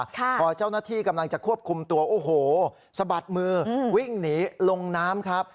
พอเจ้าหน้าที่กำลังจะควบคุมตัวโอ้โหสะบัดมือวิ่งหนีลงน้ำครับ